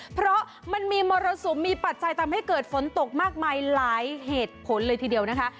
เพราะมันมีมรสุมมีปัจจัยทำให้เกิดฝนตกมากมายหลายเหตุผลเลยทีเดียวนะคะ